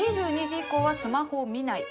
２２時以降はスマホを見ない。